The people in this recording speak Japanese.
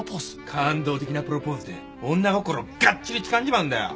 感動的なプロポーズで女心をがっちりつかんじまうんだよ。